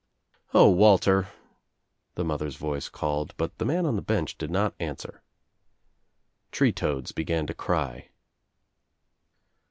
"O, Walter," the mother's voice called, but the man on the bench did not answer. Tree toads be gan to cry.